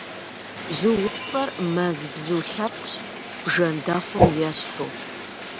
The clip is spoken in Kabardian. Бзуупцӏэр мэз бзу лъэпкъщ, бжэндэхъум ещхьу.